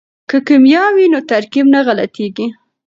که کیمیا وي نو ترکیب نه غلطیږي.